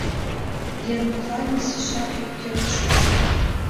Ленуклан изишак ӧпкен чучо.